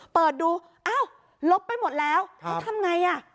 เปิดดูอ้าวลบไปหมดแล้วเขาทำไงอ่ะ